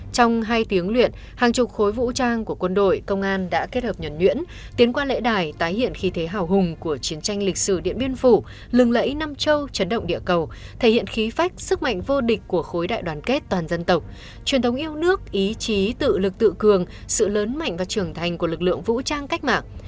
trong hai tiếng luyện hàng chục khối vũ trang của quân đội công an đã kết hợp nhuẩn nhuyễn tiến qua lễ đài tái hiện khí thế hào hùng của chiến tranh lịch sử điện biên phủ lừng lẫy nam châu chấn động địa cầu thể hiện khí phách sức mạnh vô địch của khối đại đoàn kết toàn dân tộc truyền thống yêu nước ý chí tự lực tự cường sự lớn mạnh và trưởng thành của lực lượng vũ trang cách mạng